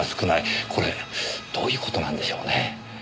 これどういう事なんでしょうね？